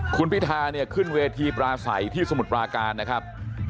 คุณพิธาขึ้นเวทีปลาใส่ที่สมุทรประการนะครับ